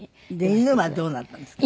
犬はどうなったんですか？